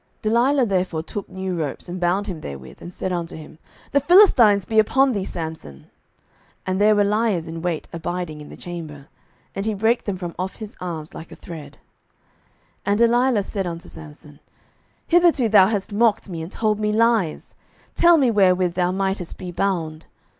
07:016:012 Delilah therefore took new ropes, and bound him therewith, and said unto him, The Philistines be upon thee, Samson. And there were liers in wait abiding in the chamber. And he brake them from off his arms like a thread. 07:016:013 And Delilah said unto Samson, Hitherto thou hast mocked me, and told me lies: tell me wherewith thou mightest be bound.